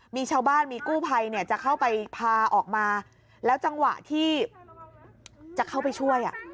มีชาวบ้านมีกู้ภัยเนี่ยจะเข้าไปพาออกมาแล้วจังหวะที่จะเข้าไปช่วย